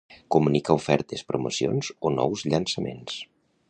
Comunica ofertes, promocions, o nous llançaments